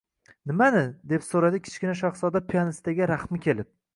Nimani? — deb so‘radi Kichkina shahzoda plyonistaga rahmi kelib.